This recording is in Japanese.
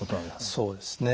そうですね。